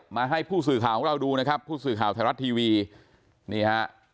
มาให้ผู้สื่อข่าวของเราดูนะครับผู้สื่อข่าวไทยรัฐทีวีนี่ฮะ